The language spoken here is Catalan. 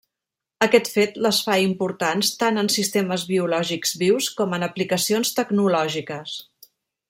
Aquest fet les fa importants tant en sistemes biològics vius com en aplicacions tecnològiques.